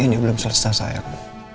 ini belum selesai sayang